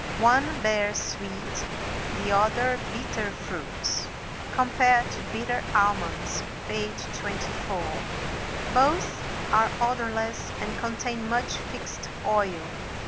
One bears sweet, the other bitter fruits (comp. Bitter almonds, page 24). Both are odorless and contain much fixed oil.